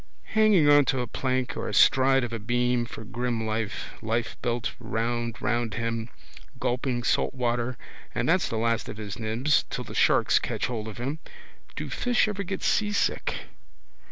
Hanging on to a plank or astride of a beam for grim life, lifebelt round him, gulping salt water, and that's the last of his nibs till the sharks catch hold of him. Do fish ever get seasick?